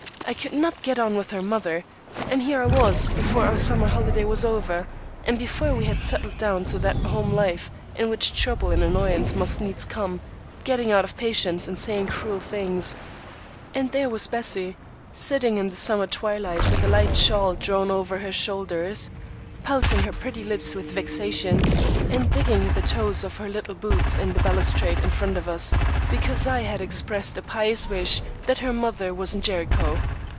I could not get on with her mother; and here I was, before our summer holiday was over, and before we had settled down to that home life in which trouble and annoyance must needs come, getting out of patience and saying cruel things; and there was Bessie, sitting in the summer twilight with a light shawl drawn over her shoulders, pouting her pretty lips with vexation, and digging the toes of her little boots into the balustrade in front of us, because I had expressed a pious wish that her mother was in Jericho.